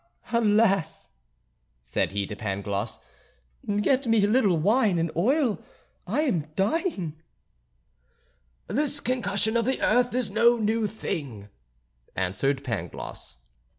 "Alas!" said he to Pangloss, "get me a little wine and oil; I am dying." "This concussion of the earth is no new thing," answered Pangloss.